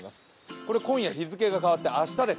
これ今夜日付が変わって明日です。